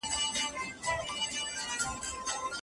کتاب د تېرو تجربو خزانه ده چي راتلونکی نسل ته لار ښيي.